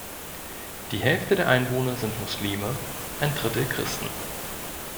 Die Hälfte der Einwohner sind Muslime, ein Drittel Christen.